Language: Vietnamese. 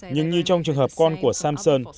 nhưng như trong trường hợp con của samson